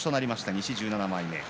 西の１７枚目。